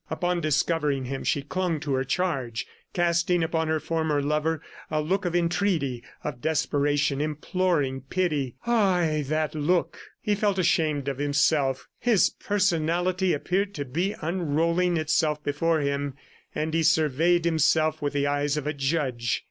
Upon discovering him she clung to her charge, casting upon her former lover a look of entreaty, of desperation, imploring pity. .. Ay, that look! He felt ashamed of himself; his personality appeared to be unrolling itself before him, and he surveyed himself with the eyes of a judge.